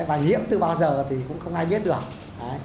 và nhiễm từ bao giờ thì cũng không ai biết được